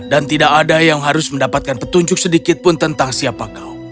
dan tidak ada yang harus mendapatkan petunjuk sedikit pun tentang siapa kau